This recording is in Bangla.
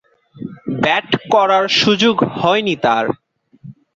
ব্যাট করার সুযোগ হয়নি তার।